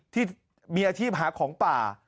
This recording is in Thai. ที่มีอาชีพหาของป่า